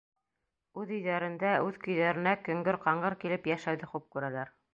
Үҙ өйҙәрендә үҙ көйҙәренә көңгөр-ҡаңғыр килеп йәшәүҙе хуп күрәләр.